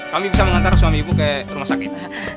kami bisa mengantar suami ibu ke rumah sakit